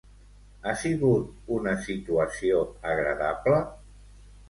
Ha sigut una situació agradable?